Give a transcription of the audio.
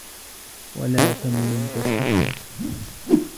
وَلَا تَمْنُنْ تَسْتَكْثِرُ